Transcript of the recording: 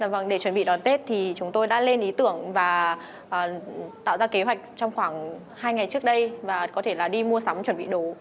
vâng để chuẩn bị đón tết thì chúng tôi đã lên ý tưởng và tạo ra kế hoạch trong khoảng hai ngày trước đây và có thể là đi mua sắm chuẩn bị đồ